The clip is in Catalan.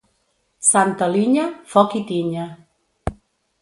Santa Linya, foc i tinya.